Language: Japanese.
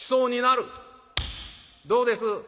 「どうです？